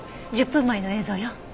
１０分前の映像よ。